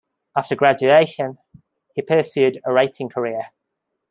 After graduation, he pursued a writing career.